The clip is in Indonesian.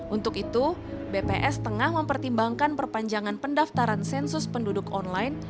untuk itu bps tengah mempertimbangkan perpanjangan pendaftaran sensus penduduk online